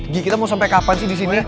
gi kita mau sampai kapan sih di sini